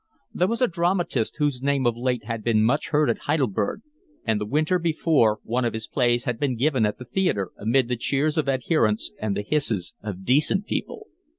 There was a dramatist whose name of late had been much heard at Heidelberg, and the winter before one of his plays had been given at the theatre amid the cheers of adherents and the hisses of decent people.